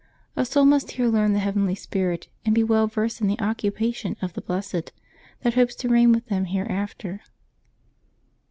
A soul must here learn the heavenly spirit, and be well versed in the occupa tions of the blessed, that hopes to reign with them here after.